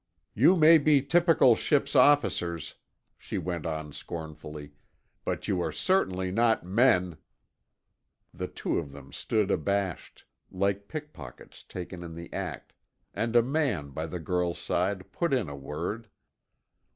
"You may be typical ship's officers," she went on scornfully, "but you are certainly not men." The two of them stood abashed, like pickpockets taken in the act, and a man by the girl's side put in a word.